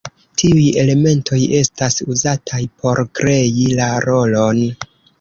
Tiuj elementoj estas uzataj por krei la rolon.